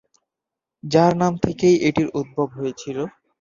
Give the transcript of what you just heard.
যার নাম থেকেই এটির উদ্ভব হয়েছিল।